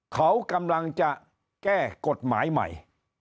เขากำลังจะแก้กฎหมายใหม่